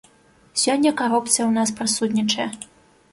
Сёння карупцыя ў нас прысутнічае!